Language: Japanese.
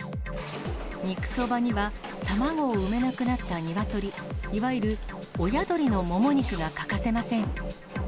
肉そばには卵を産めなくなったニワトリ、いわゆる親鳥のもも肉が欠かせません。